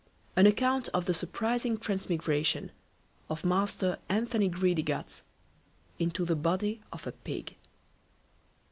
An Account of the surprizing Transmigration of Master ANTHONY GREEDYGUTS, into the Body of a Pig.